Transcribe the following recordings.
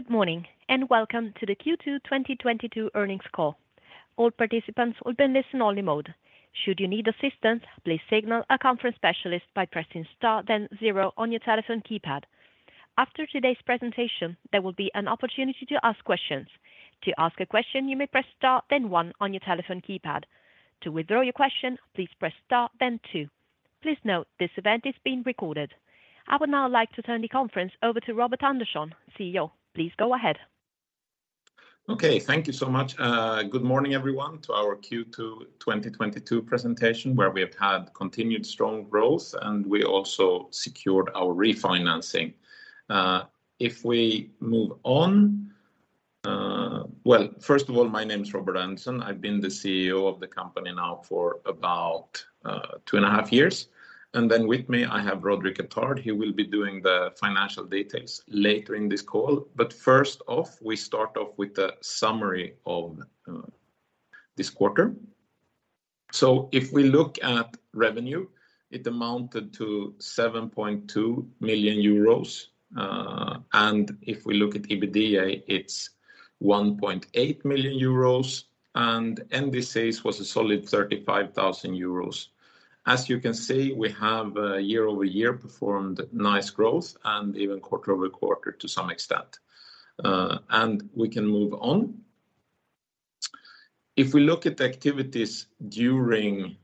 Good morning, and welcome to the Q2 2022 Earnings Call. All participants will be in listen only mode. Should you need assistance, please signal a conference specialist by pressing star then zero on your telephone keypad. After today's presentation, there will be an opportunity to ask questions. To ask a question, you may press star then one on your telephone keypad. To withdraw your question, please press star then two. Please note this event is being recorded. I would now like to turn the conference over to Robert Andersson, CEO. Please go ahead. Okay. Thank you so much. Good morning, everyone, to our Q2 2022 presentation, where we have had continued strong growth, and we also secured our refinancing. If we move on. Well, first of all, my name's Robert Andersson. I've been the CEO of the company now for about two and a half years. With me I have Roderick Attard, who will be doing the financial details later in this call. First off, we start off with a summary of this quarter. If we look at revenue, it amounted to 7.2 million euros. If we look at EBITDA, it's 1.8 million euros, and NDCs was a solid 35,000 euros. As you can see, we have year-over-year performed nice growth and even quarter-over-quarter to some extent. We can move on. If we look at the activities during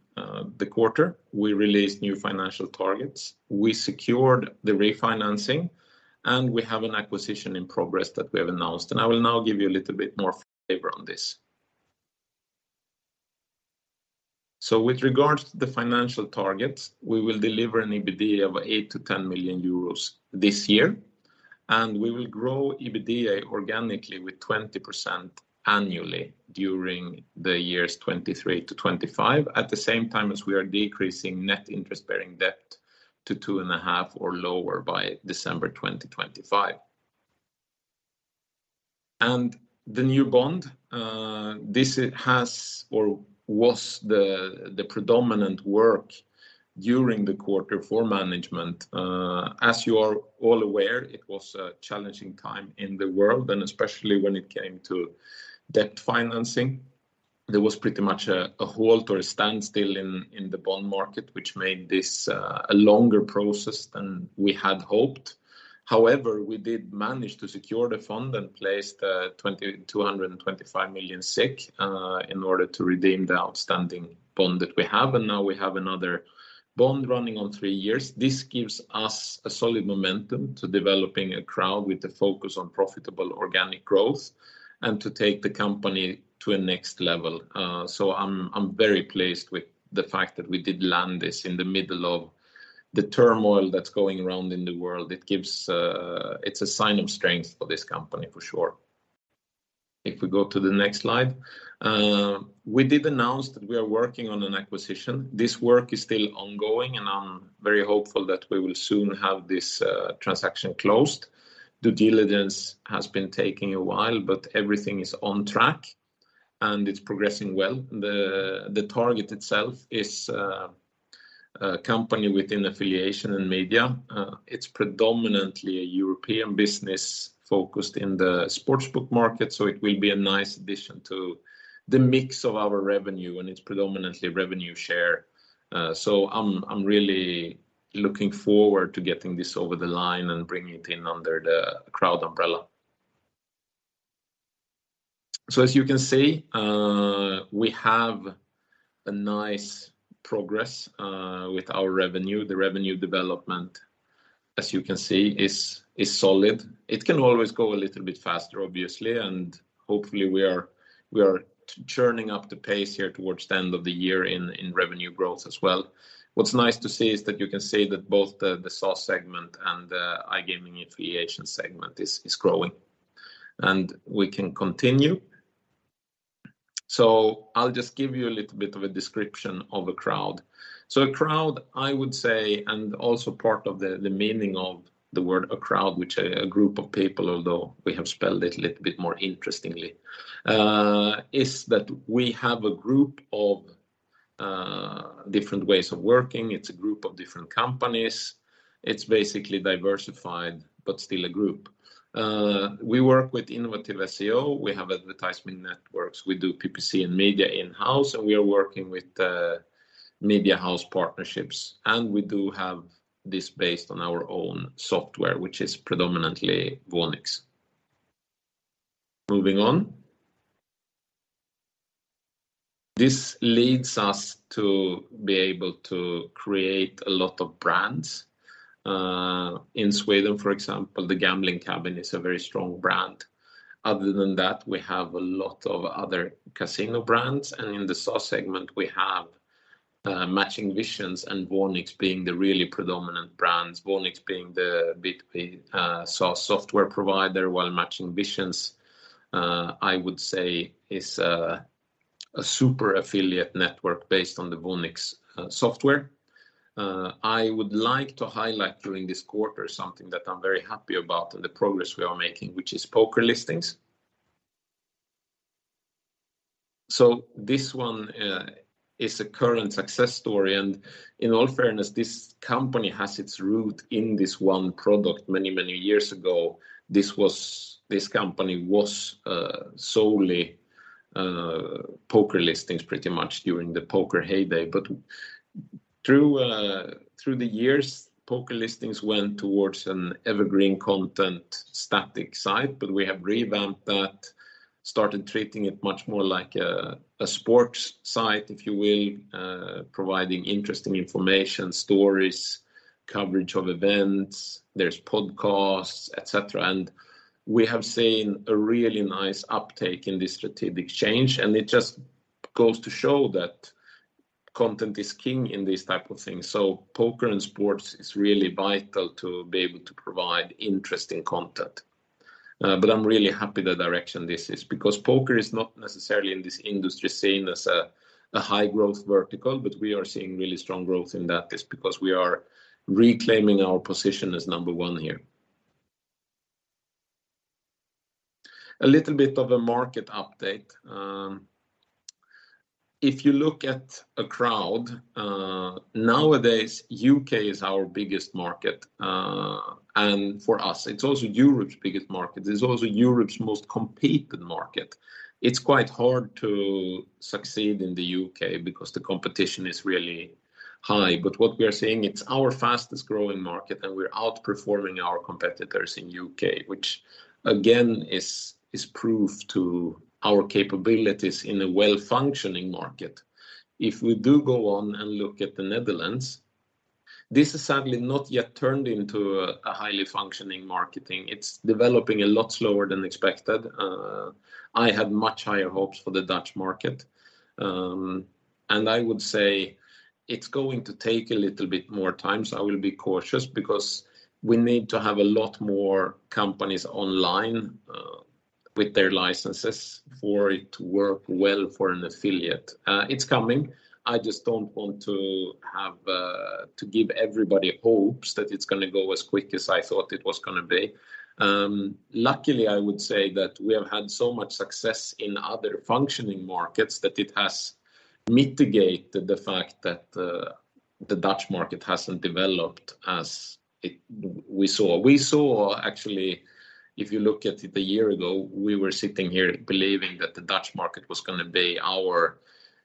the quarter. We released new financial targets, we secured the refinancing, and we have an acquisition in progress that we have announced, and I will now give you a little bit more flavor on this. With regards to the financial targets, we will deliver an EBITDA of 8 million-10 million euros this year, and we will grow EBITDA organically with 20% annually during the years 2023-2025, at the same time as we are decreasing net interest-bearing debt to 2.5 or lower by December 2025. The new bond, this has or was the predominant work during the quarter for management. As you are all aware, it was a challenging time in the world, and especially when it came to debt financing, there was pretty much a halt or a standstill in the bond market, which made this a longer process than we had hoped. However, we did manage to secure the funding and place the 225 million in order to redeem the outstanding bond that we have, and now we have another bond running on three years. This gives us a solid momentum to developing Acroud with the focus on profitable organic growth and to take the company to a next level. I'm very pleased with the fact that we did land this in the middle of the turmoil that's going around in the world. It gives. It's a sign of strength for this company for sure. If we go to the next slide. We did announce that we are working on an acquisition. This work is still ongoing, and I'm very hopeful that we will soon have this transaction closed. Due diligence has been taking a while, but everything is on track, and it's progressing well. The target itself is a company within affiliate and media. It's predominantly a European business focused in the sportsbook market, so it will be a nice addition to the mix of our revenue, and it's predominantly revenue share. I'm really looking forward to getting this over the line and bringing it in under the Acroud umbrella. As you can see, we have a nice progress with our revenue. The revenue development, as you can see, is solid. It can always go a little bit faster, obviously, and hopefully we are churning up the pace here towards the end of the year in revenue growth as well. What's nice to see is that you can see that both the SaaS segment and iGaming affiliation segment is growing. We can continue. I'll just give you a little bit of a description of Acroud. Acroud, I would say, and also part of the meaning of the word Acroud, which, a group of people, although we have spelled it a little bit more interestingly, is that we have a group of different ways of working. It's a group of different companies. It's basically diversified, but still a group. We work with innovative SEO. We have advertisement networks. We do PPC and media in-house, and we are working with media house partnerships, and we do have this based on our own software, which is predominantly Voonix. Moving on. This leads us to be able to create a lot of brands. In Sweden, for example, The Gambling Cabin is a very strong brand. Other than that, we have a lot of other casino brands, and in the SaaS segment we have Matching Visions and Voonix being the really predominant brands. Voonix being the B2B SaaS software provider, while Matching Visions I would say is a super affiliate network based on the Voonix software. I would like to highlight during this quarter something that I'm very happy about and the progress we are making, which is PokerListings. So this one is a current success story, and in all fairness, this company has its root in this one product many, many years ago. This company was solely PokerListings pretty much during the poker heyday. But through the years, PokerListings went towards an evergreen content static site. But we have revamped that, started treating it much more like a sports site, if you will, providing interesting information, stories, coverage of events. There's podcasts, et cetera. We have seen a really nice uptake in this strategic change, and it just goes to show that content is king in this type of thing. Poker and sports is really vital to be able to provide interesting content. But I'm really happy the direction this is because poker is not necessarily in this industry seen as a high-growth vertical, but we are seeing really strong growth in that just because we are reclaiming our position as number one here. A little bit of a market update. If you look at Acroud, nowadays U.K. is our biggest market. For us it's also Europe's biggest market. It's also Europe's most competitive market. It's quite hard to succeed in the U.K. because the competition is really high. What we are seeing, it's our fastest growing market, and we're outperforming our competitors in U.K., which again, is proof to our capabilities in a well-functioning market. If we do go on and look at the Netherlands, this has sadly not yet turned into a highly functioning market thing. It's developing a lot slower than expected. I had much higher hopes for the Dutch market. I would say it's going to take a little bit more time, so I will be cautious because we need to have a lot more companies online, with their licenses for it to work well for an affiliate. It's coming. I just don't want to have, to give everybody hopes that it's gonna go as quick as I thought it was gonna be. Luckily, I would say that we have had so much success in other functioning markets that it has mitigated the fact that, the Dutch market hasn't developed as we saw. We saw actually, if you look at it a year ago, we were sitting here believing that the Dutch market was gonna be our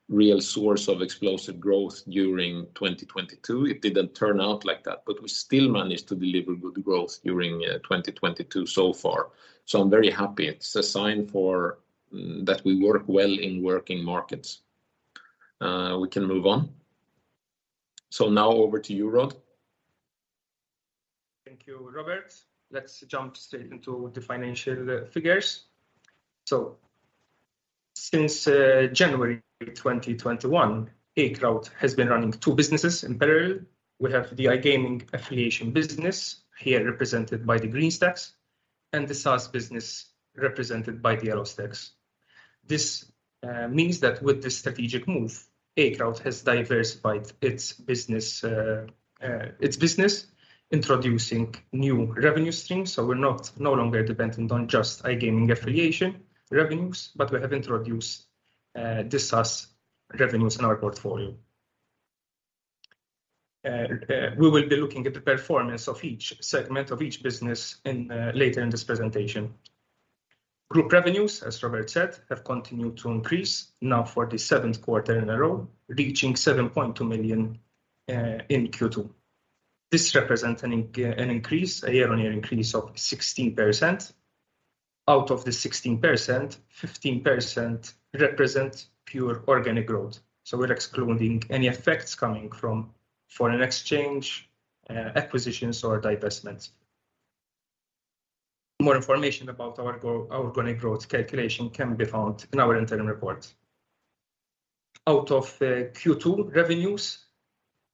real source of explosive growth during 2022. It didn't turn out like that, but we still managed to deliver good growth during 2022 so far. I'm very happy. It's a sign that we work well in working markets. We can move on. Now over to you, Rod. Thank you, Robert. Let's jump straight into the financial figures. Since January 2021, Acroud has been running two businesses in parallel. We have the iGaming affiliation business here represented by the green stacks and the SaaS business represented by the yellow stacks. This means that with this strategic move, Acroud has diversified its business, introducing new revenue streams. We're no longer dependent on just iGaming affiliation revenues, but we have introduced the SaaS revenues in our portfolio. We will be looking at the performance of each segment of each business in later in this presentation. Group revenues, as Robert said, have continued to increase now for the seventh quarter in a row, reaching 7.2 million in Q2. This represents an increase, a year-on-year increase of 16%. Out of the 16%, 15% represent pure organic growth, so we're excluding any effects coming from foreign exchange, acquisitions or divestments. More information about our organic growth calculation can be found in our interim report. Out of Q2 revenues,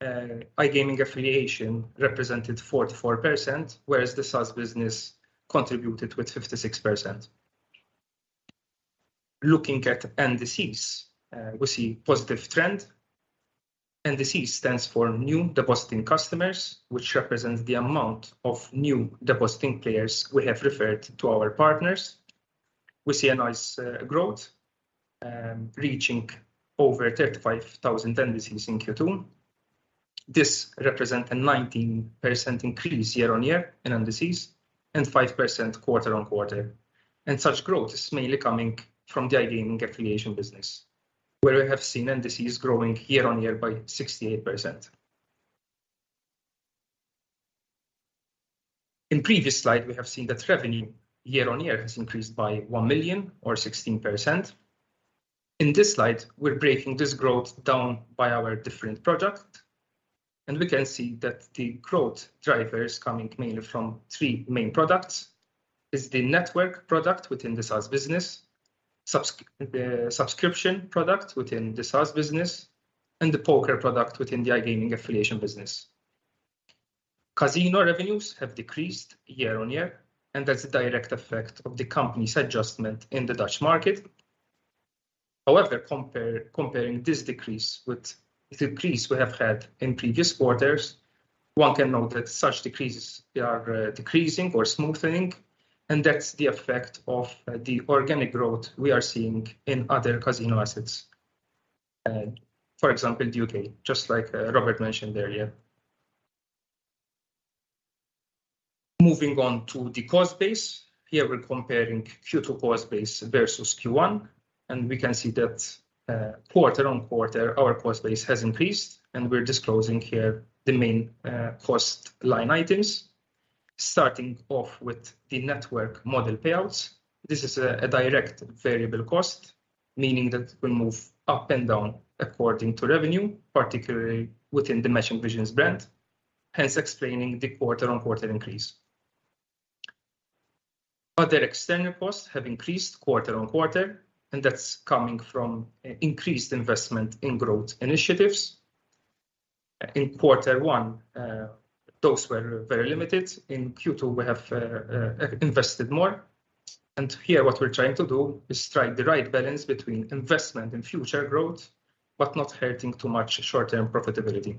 iGaming affiliation represented 44%, whereas the SaaS business contributed with 56%. Looking at NDCs, we see positive trend. NDC stands for New Depositing Customers, which represents the amount of new depositing players we have referred to our partners. We see a nice growth, reaching over 35,000 NDCs in Q2. This represent a 19% increase year-on-year in NDCs and 5% quarter-on-quarter. Such growth is mainly coming from the iGaming affiliation business, where we have seen NDCs growing year-on-year by 68%. In previous slide, we have seen that revenue year-on-year has increased by 1 million or 16%. In this slide, we're breaking this growth down by our different product, and we can see that the growth drivers coming mainly from three main products is the network product within the SaaS business, the subscription product within the SaaS business, and the poker product within the iGaming affiliation business. Casino revenues have decreased year-on-year, and that's a direct effect of the company's adjustment in the Dutch market. However, comparing this decrease with the decrease we have had in previous quarters. One can note that such decreases are decreasing or smoothening, and that's the effect of the organic growth we are seeing in other casino assets. For example, U.K., just like Robert mentioned there. Yeah. Moving on to the cost base. Here we're comparing Q2 cost base versus Q1, and we can see that quarter-over-quarter, our cost base has increased, and we're disclosing here the main cost line items. Starting off with the network model payouts. This is a direct variable cost, meaning that will move up and down according to revenue, particularly within the Matching Visions brand, hence explaining the quarter-over-quarter increase. Other external costs have increased quarter-over-quarter, and that's coming from increased investment in growth initiatives. In quarter one, those were very limited. In Q2, we have invested more. Here what we're trying to do is strike the right balance between investment and future growth, but not hurting too much short-term profitability.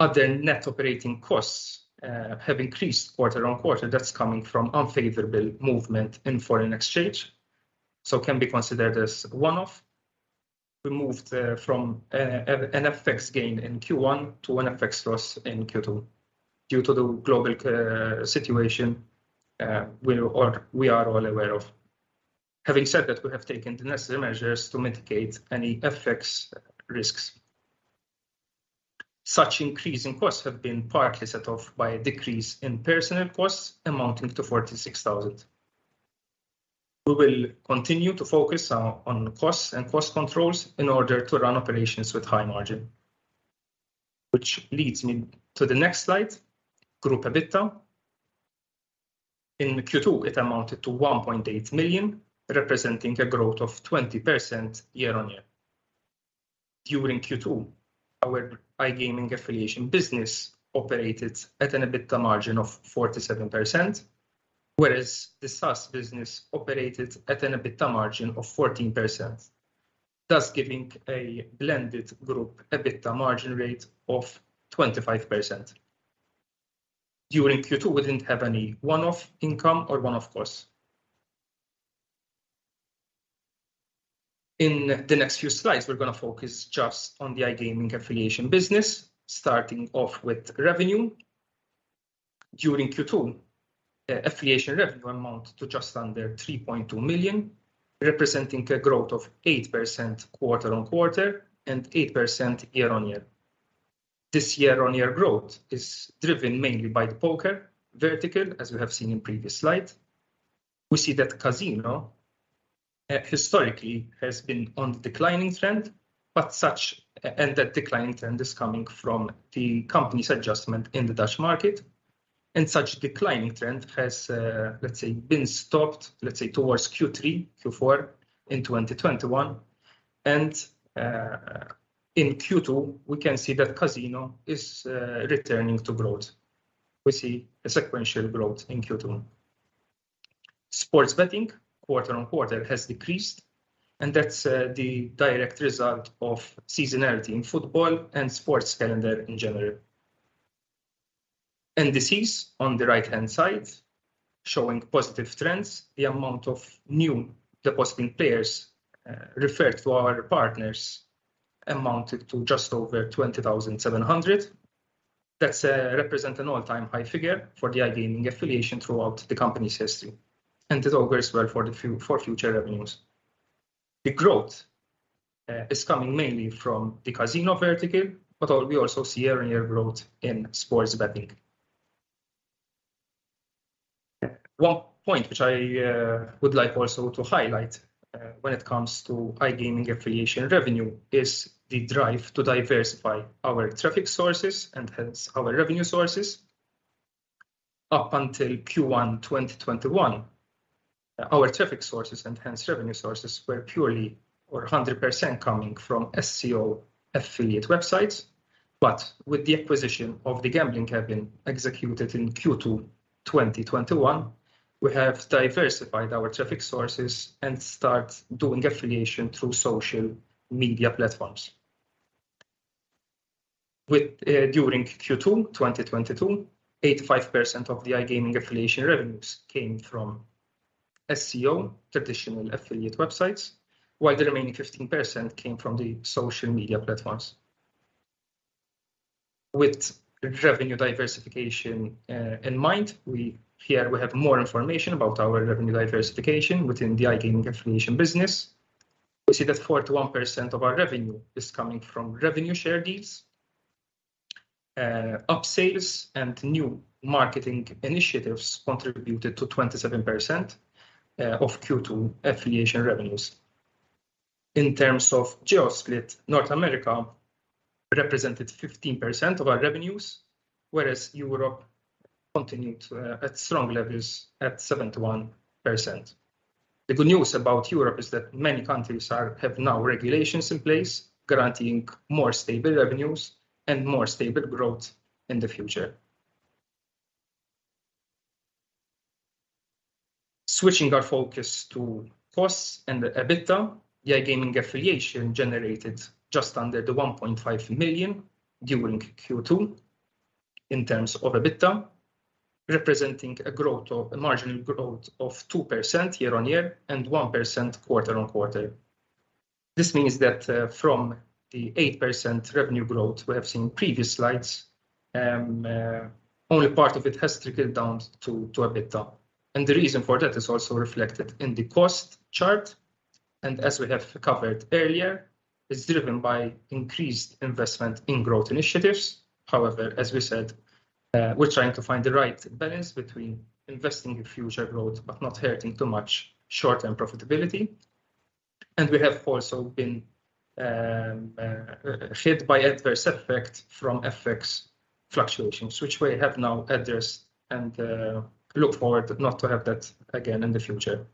Other net operating costs have increased quarter-over-quarter. That's coming from unfavorable movement in foreign exchange, so can be considered as one-off. We moved from an FX gain in Q1 to an FX loss in Q2 due to the global situation we are all aware of. Having said that, we have taken the necessary measures to mitigate any FX risks. Such increase in costs have been partly set off by a decrease in personnel costs amounting to 46,000. We will continue to focus on costs and cost controls in order to run operations with high margin. Which leads me to the next slide. Group EBITDA. In Q2, it amounted to 1.8 million, representing a growth of 20% year-on-year. During Q2, our iGaming affiliation business operated at an EBITDA margin of 47%, whereas the SaaS business operated at an EBITDA margin of 14%, thus giving a blended group EBITDA margin rate of 25%. During Q2, we didn't have any one-off income or one-off costs. In the next few slides, we're gonna focus just on the iGaming affiliation business, starting off with revenue. During Q2, affiliation revenue amount to just under 3.2 million, representing a growth of 8% quarter-over-quarter and 8% year-over-year. This year-over-year growth is driven mainly by the Poker vertical, as we have seen in previous slide. We see that Casino historically has been on declining trend, but such and that declining trend is coming from the company's adjustment in the Dutch market, and such declining trend has, let's say, been stopped towards Q3, Q4 in 2021. In Q2, we can see that Casino is returning to growth. We see a sequential growth in Q2. Sports betting quarter-on-quarter has decreased, and that's the direct result of seasonality in football and sports calendar in general. NDCs on the right-hand side showing positive trends. The amount of new depositing players referred to our partners amounted to just over 20,700. That's represents an all-time high figure for the iGaming affiliation throughout the company's history, and it augurs well for the for future revenues. The growth is coming mainly from the Casino vertical, but we also see year-on-year growth in sports betting. One point which I would like also to highlight when it comes to iGaming affiliation revenue is the drive to diversify our traffic sources and hence our revenue sources. Up until Q1 2021, our traffic sources and hence revenue sources were purely or 100% coming from SEO affiliate websites. With the acquisition of The Gambling Cabin executed in Q2 2021, we have diversified our traffic sources and start doing affiliation through social media platforms. During Q2 2022, 85% of the iGaming affiliation revenues came from SEO, traditional affiliate websites, while the remaining 15% came from the social media platforms. With revenue diversification in mind, here we have more information about our revenue diversification within the iGaming affiliation business. We see that 41% of our revenue is coming from revenue share deals. Upsales and new marketing initiatives contributed to 27% of Q2 affiliation revenues. In terms of geo split, North America represented 15% of our revenues, whereas Europe continued at strong levels at 71%. The good news about Europe is that many countries have now regulations in place granting more stable revenues and more stable growth in the future. Switching our focus to costs and the EBITDA, iGaming affiliation generated just under 1.5 million during Q2 in terms of EBITDA, representing a growth of a marginal growth of 2% year-on-year and 1% quarter-on-quarter. This means that, from the 8% revenue growth we have seen previous slides, only part of it has trickled down to EBITDA. The reason for that is also reflected in the cost chart, and as we have covered earlier, is driven by increased investment in growth initiatives. However, as we said, we're trying to find the right balance between investing in future growth but not hurting too much short-term profitability. We have also been hit by adverse effect from FX fluctuations, which we have now addressed and look forward not to have that again in the future.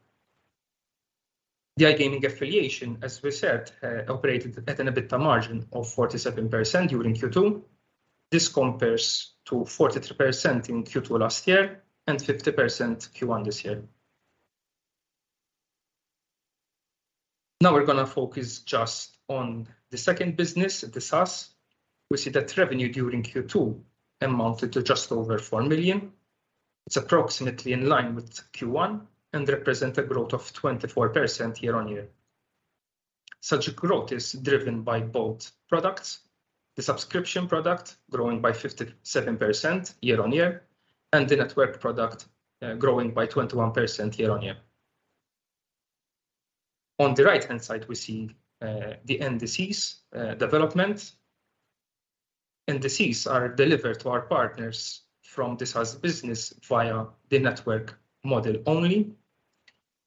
The iGaming affiliation, as we said, operated at an EBITDA margin of 47% during Q2. This compares to 43% in Q2 last year and 50% Q1 this year. Now we're gonna focus just on the second business, the SaaS. We see that revenue during Q2 amounted to just over 4 million. It's approximately in line with Q1 and represent a growth of 24% year-on-year. Such growth is driven by both products, the subscription product growing by 57% year-on-year, and the network product growing by 21% year-on-year. On the right-hand side, we see the NDC's development. NDCs are delivered to our partners from the SaaS business via the network model only.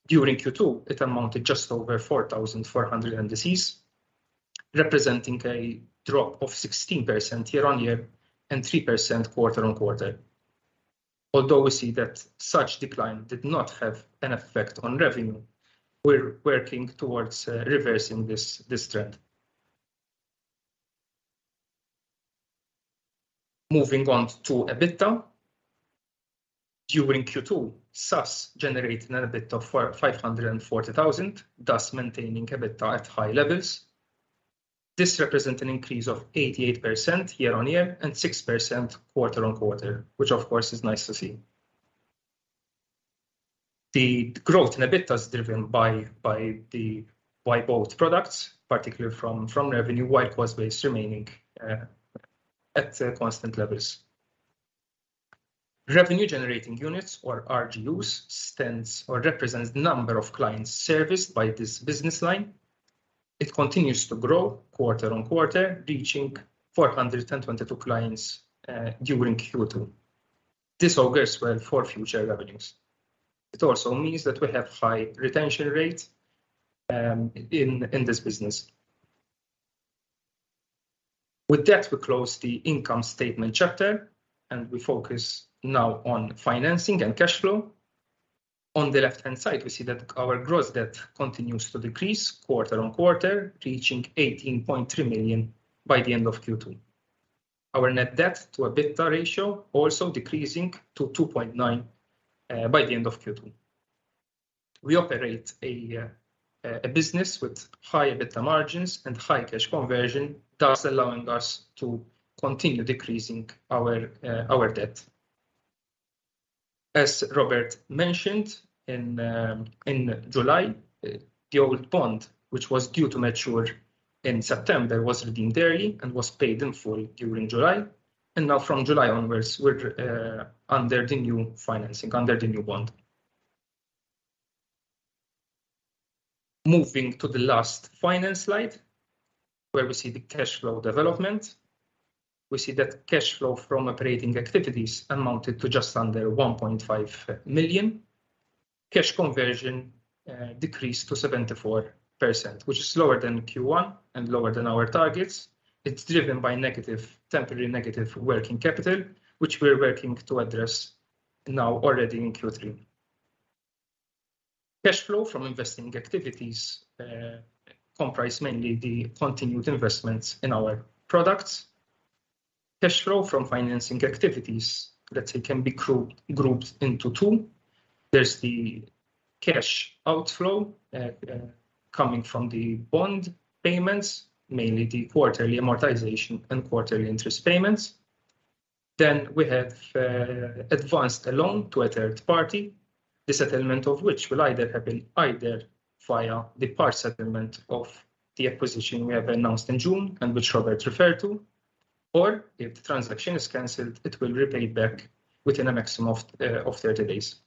During Q2, it amounted just over 4,400 NDCs, representing a drop of 16% year-over-year and 3% quarter-over-quarter. Although we see that such decline did not have an effect on revenue, we're working towards reversing this trend. Moving on to EBITDA. During Q2, SaaS generated an EBITDA of 540,000, thus maintaining EBITDA at high levels. This represents an increase of 88% year-over-year and 6% quarter-over-quarter, which of course is nice to see. The growth in EBITDA is driven by both products, particularly from revenue, while cost base remaining at constant levels. Revenue generating units or RGUs represents the number of clients serviced by this business line. It continues to grow quarter-on-quarter, reaching 422 clients during Q2. This augurs well for future revenues. It also means that we have high retention rate in this business. With that, we close the income statement chapter, and we focus now on financing and cash flow. On the left-hand side, we see that our gross debt continues to decrease quarter-on-quarter, reaching 18.3 million by the end of Q2. Our net debt to EBITDA ratio also decreasing to 2.9 by the end of Q2. We operate a business with high EBITDA margins and high cash conversion, thus allowing us to continue decreasing our debt. As Robert mentioned, in July the old bond, which was due to mature in September, was redeemed early and was paid in full during July. Now from July onwards, we're under the new financing, under the new bond. Moving to the last finance slide, where we see the cash flow development. We see that cash flow from operating activities amounted to just under 1.5 million. Cash conversion decreased to 74%, which is lower than Q1 and lower than our targets. It's driven by temporarily negative working capital, which we're working to address now already in Q3. Cash flow from investing activities comprise mainly the continued investments in our products. Cash flow from financing activities, let's say, can be grouped into two. There's the cash outflow coming from the bond payments, mainly the quarterly amortization and quarterly interest payments. We have advanced a loan to a third party, the settlement of which will either happen via the part settlement of the acquisition we have announced in June and which Robert referred to, or if the transaction is canceled, it will repay back within a maximum of 30 days.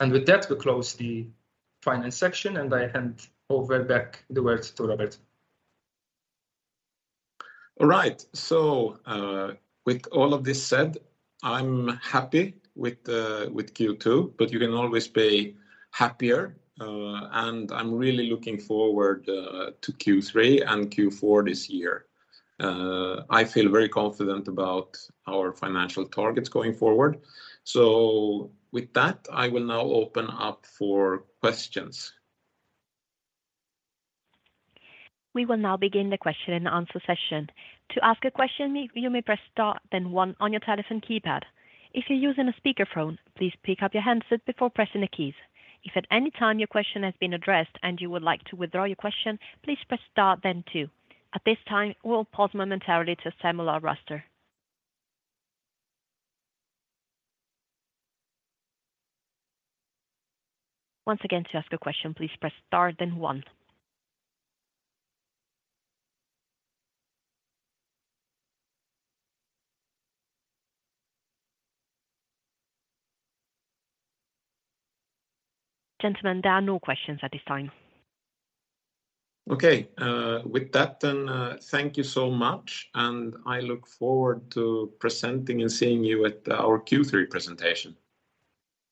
With that, we close the finance section, and I hand over back the words to Robert. All right. With all of this said, I'm happy with Q2, but you can always be happier. I'm really looking forward to Q3 and Q4 this year. I feel very confident about our financial targets going forward. With that, I will now open up for questions. We will now begin the question-and-answer session. To ask a question, you may press star then one on your telephone keypad. If you're using a speakerphone, please pick up your handset before pressing the keys. If at any time your question has been addressed and you would like to withdraw your question, please press star then two. At this time, we'll pause momentarily to assemble our roster. Once again, to ask a question, please press star then one. Gentlemen, there are no questions at this time. Okay. With that, thank you so much, and I look forward to presenting and seeing you at our Q3 presentation.